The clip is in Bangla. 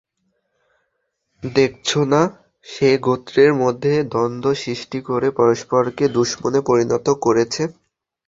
দেখছো না, সে গোত্রের মধ্যে দ্বন্দ্ব সৃষ্টি করে পরস্পরকে দুশমনে পরিণত করেছে?